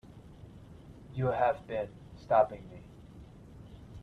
You have been stopping me.